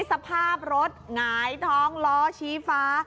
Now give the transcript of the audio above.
สภาพรถหงายท้องล้อชี้ฟ้า